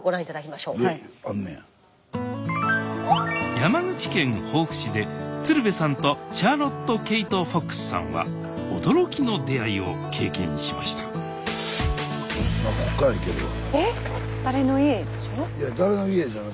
山口県防府市で鶴瓶さんとシャーロット・ケイト・フォックスさんは驚きの出会いを経験しましたいや誰の家じゃない。